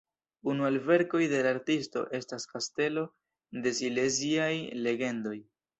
Unu el verkoj de la artisto estas Kastelo de Sileziaj Legendoj.